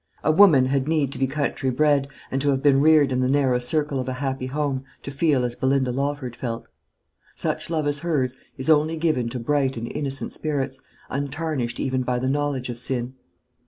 A woman had need to be country bred, and to have been reared in the narrow circle of a happy home, to feel as Belinda Lawford felt. Such love as hers is only given to bright and innocent spirits, untarnished even by the knowledge of sin.